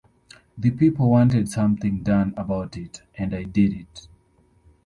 The people wanted something done about it and I did it.